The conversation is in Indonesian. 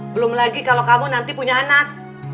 belum lagi kalau kamu nanti punya anak